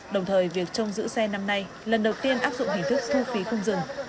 đồng thời việc trông giữ xe năm nay lần đầu tiên áp dụng hình thức thu phí không dừng